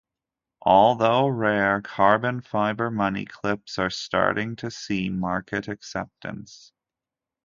Although rare, carbon fiber money clips are starting to see market acceptance.